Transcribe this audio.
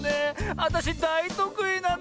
あたしだいとくいなの。